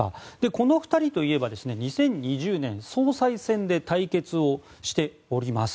この２人といえば２０２０年、総裁選で対決しております。